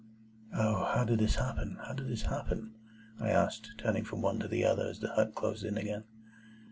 "O, how did this happen, how did this happen?" I asked, turning from one to another as the hut closed in again.